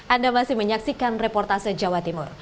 anda masih menyaksikan reportase jawa timur